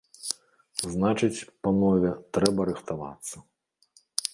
Значыць, панове, трэба рыхтавацца.